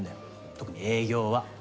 特に営業は。